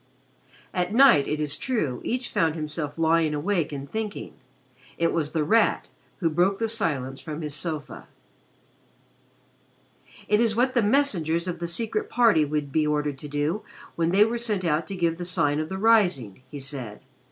At night, it is true, each found himself lying awake and thinking. It was The Rat who broke the silence from his sofa. "It is what the messengers of the Secret Party would be ordered to do when they were sent out to give the Sign for the Rising," he said.